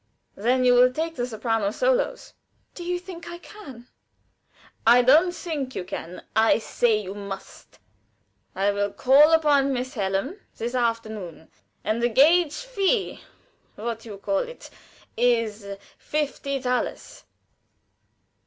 "Then you will take the soprano solos?" "Do you think I can?" "I don't think you can; I say you must. I will call upon Miss Hallam this afternoon. And the gage fee what you call it? is fifty thalers."